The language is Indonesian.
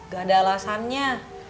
gak ada alasannya